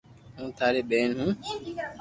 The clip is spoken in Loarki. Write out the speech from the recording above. ھون ٽاري ٻين ھون